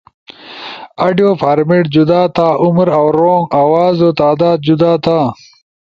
آڈیو فارمیٹ، جدا تھا(عمر او رونگ)، آوازو تعداد جدا تھا